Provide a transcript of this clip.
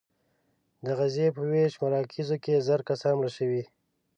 د غزې په ویش مراکزو کې زر کسان مړه شوي.